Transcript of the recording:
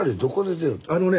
あのね